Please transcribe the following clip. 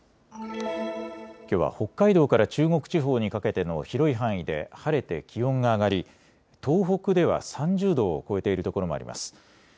きょうは北海道から中国地方にかけての広い範囲で晴れて気温が上がり東北では３０度を超えているところもあります。